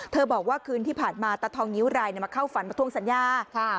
บอกว่าคืนที่ผ่านมาตาทองนิ้วรายมาเข้าฝันมาทวงสัญญาค่ะ